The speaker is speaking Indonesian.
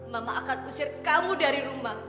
mama akan usir kamu dari rumah